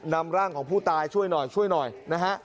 นำร่างของผู้ตายช่วยหน่อยช่วยหน่อยนะฮะ